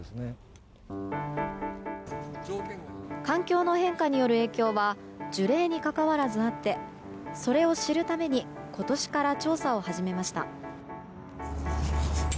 環境の変化による影響は樹齢に関わらずあってそれを知るために今年から調査を始めました。